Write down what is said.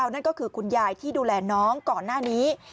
นั่นก็คือคุณยายที่ดูแลน้องก่อนหน้านี้